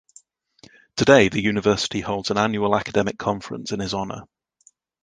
Today the university holds an annual academic conference in his honor.